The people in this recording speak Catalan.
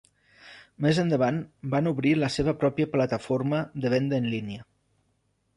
Més endavant van obrir la seva pròpia plataforma de venda en línia.